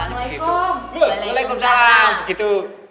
assalamualaikum waalaikumsalam begitu